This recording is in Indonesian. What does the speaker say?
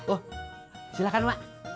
oh silakan mak